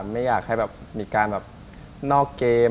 ไม่อยากให้มีการนอกเกม